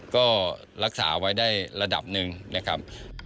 ก็รักษาไว้ได้ระดับหนึ่งนะครับ